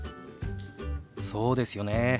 そうですよねえ。